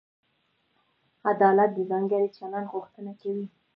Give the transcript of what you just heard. عدالت د ځانګړي چلند غوښتنه کوي.